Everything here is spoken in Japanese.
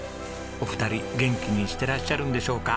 お二人元気にしてらっしゃるんでしょうか？